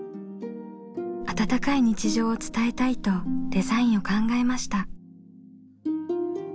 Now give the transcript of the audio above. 温かい日常を伝えたいとデザインを考えました。